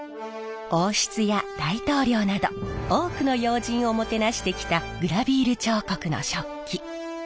王室や大統領など多くの要人をもてなしてきたグラヴィール彫刻の食器。